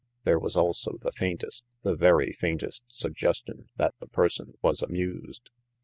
There was also the faintest, the very faintest suggestion that the person was amused.